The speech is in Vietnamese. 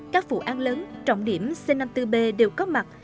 các vụ án lớn trọng điểm c năm mươi bốn b đều có mặt